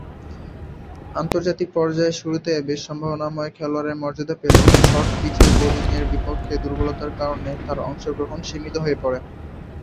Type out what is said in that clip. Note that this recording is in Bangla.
আন্তর্জাতিক পর্যায়ের শুরুতে বেশ সম্ভাবনাময় খেলোয়াড়ের মর্যাদা পেলেও শর্ট পিচের বোলিংয়ের বিপক্ষে দুর্বলতার কারণে তার অংশগ্রহণ সীমিত হয়ে পড়ে।